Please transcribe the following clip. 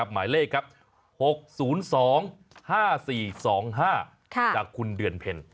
หมายเลขครับ๖๐๒๕๔๒๕จากคุณเดือนเพ็ญ